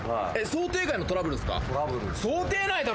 想定外のトラブルですか？